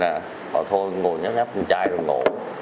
bảo thôi ngồi nhắc nhắc con trai rồi ngủ